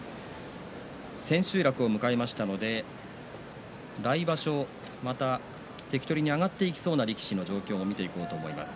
千秋楽を迎えましたので来場所また関取に上がっていきそうな力士の状況を見ていきます。